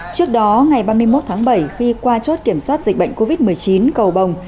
trước đó ngày ba mươi một tháng bảy khi qua chốt kiểm soát dịch bệnh covid một mươi chín cầu bồng